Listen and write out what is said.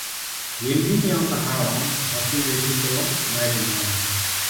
Gin ginyiewo kahawa wa kinde duto, Mary nowacho.